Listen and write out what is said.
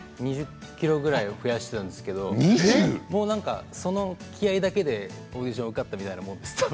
２０ｋｇぐらい増やしたんですけれどもその気合いだけでオーディション受かったみたいなものです。